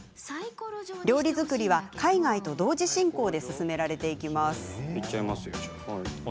料理作りは、海外と同時進行で進められていきます。